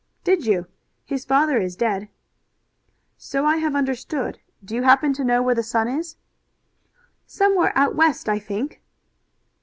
"Did you? His father is dead." "So I have understood. Do you happen to know where the son is?" "Somewhere out West, I think."